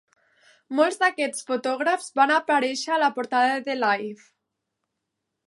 Molts d'aquests fotògrafs van aparèixer a la portada de "Life".